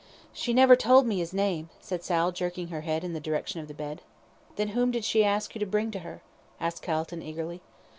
"She never told me 'is name," said Sal, jerking her head in the direction of the bed. "Then whom did she ask you to bring to her?" asked Calton, eagerly.